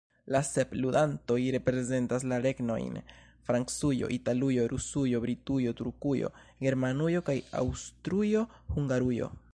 La sep ludantoj reprezentas la regnojn Francujo, Italujo, Rusujo, Britujo, Turkujo, Germanujo kaj Aŭstrujo-Hungarujo.